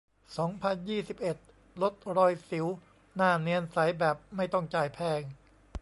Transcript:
สองพันยี่สิบเอ็ด ลดรอยสิว หน้าเนียนใส แบบไม่ต้องจ่ายแพง